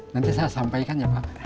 nanti saya sampaikan ya pak